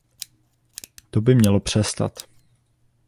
To by mělo přestat.